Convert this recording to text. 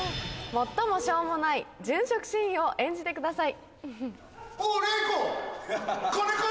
「最もしょうもない殉職シーンを演じてください」。